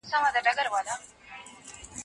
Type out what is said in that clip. د خبرو میز د جګړې له ډګره غوره دی.